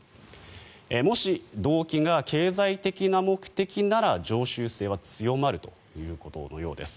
もし動機が経済的な目的なら常習性は強まるということのようです。